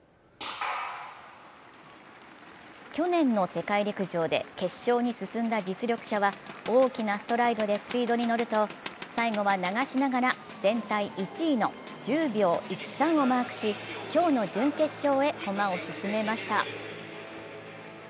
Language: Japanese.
去年の世界陸上で決勝に進んだ実力者は大きなストライドでスピードにのると、最後は流しながら全体１位の１０秒１３をマークし今日の準決勝へ駒を進めました。